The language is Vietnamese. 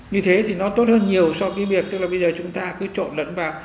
như thế thì nó tốt hơn nhiều so với việc tức là bây giờ chúng ta cứ trộn lẫn vào